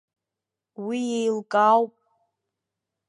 Уи еилкаауп.